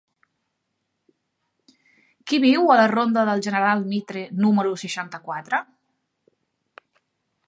Qui viu a la ronda del General Mitre número seixanta-quatre?